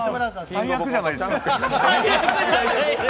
最悪じゃないですか。